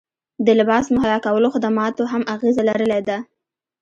د لباس مهیا کولو خدماتو هم اغیزه لرلې ده